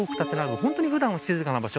本当に普段は静かな場所。